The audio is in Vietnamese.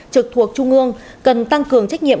trực thuộc trung ương cần tăng cường trách nhiệm